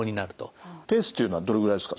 ペースというのはどれぐらいですか？